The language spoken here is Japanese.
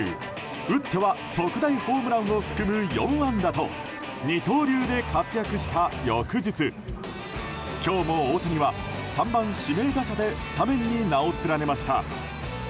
打っては特大ホームランを含む４安打と二刀流で活躍した翌日今日も大谷は３番指名打者でスタメンに名を連ねました。